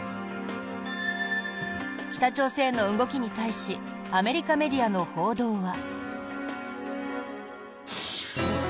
北朝鮮の動きに対しアメリカメディアの報道は。